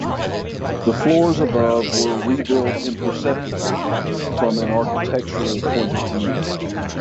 The floors above were rebuilt imperceptibly from an architectural point of view.